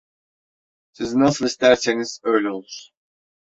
Siz nasıl isterseniz öyle olur!